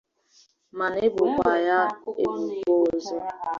ma na-ebokwa ya ebubo ọzọ